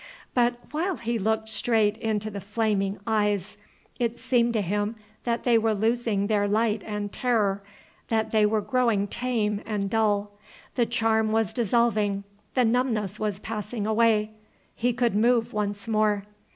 But while he looked straight into the flaming eyes, it seemed to him that they were losing their light and terror, that they were growing tame and dull; the charm was dissolving, the numbness was passing away, he could move once more.